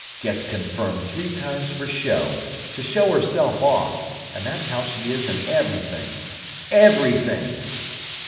Gets confirmed three times for show, to show herself off, and that's how she is in everything—_everything!